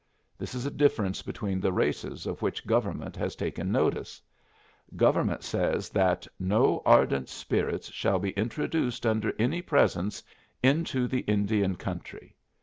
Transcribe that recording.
This is a difference between the races of which government has taken notice. Government says that "no ardent spirits shall be introduced under any presence into the Indian country."